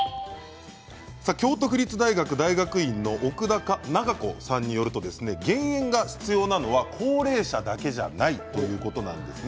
京都府立大学大学院の奥田奈賀子さんによりますと減塩が必要なのは高齢者だけじゃないということなんです。